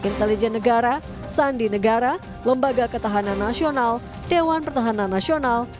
intelijen negara sandi negara lembaga ketahanan nasional dewan pertahanan nasional